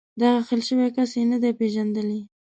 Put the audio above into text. داخل شوی کس یې نه دی پېژندلی.